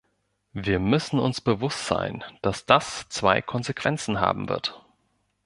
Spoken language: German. Wir müssen uns bewusst sein, dass das zwei Konsequenzen haben wird.